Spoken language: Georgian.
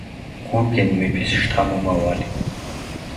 გურგენ მეფის შთამომავალი.